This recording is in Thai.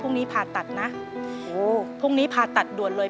เปลี่ยนเพลงเพลงเก่งของคุณและข้ามผิดได้๑คำ